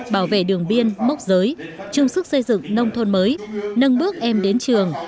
bảo vệ đường biên mốc giới trung sức xây dựng nông thôn mới nâng bước em đến trường